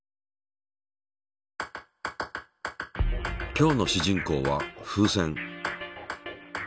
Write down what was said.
今日の主人公は風船。